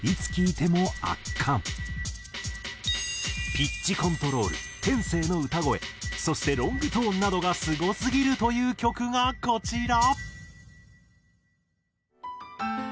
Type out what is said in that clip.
ピッチコントロール天性の歌声そしてロングトーンなどがすごすぎるという曲がこちら。